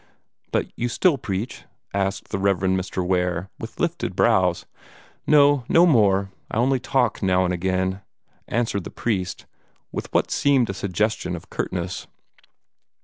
"But you still preach?" asked the Rev. Mr. Ware, with lifted brows. "No! no more! I only talk now and again," answered the priest, with what seemed a suggestion of curtness.